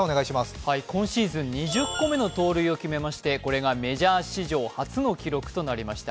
今シーズン２０個目の盗塁を決めましてこれがメジャー史上初の記録となりました。